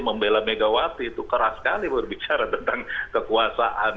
membela megawati itu keras sekali berbicara tentang kekuasaan